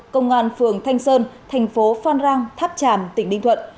công an phường thanh sơn tp phan rang tháp tràm tỉnh đinh thuận